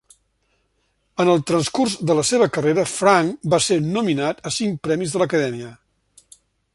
En el transcurs de la seva carrera, Frank va ser nominat a cinc premis de l'Acadèmia.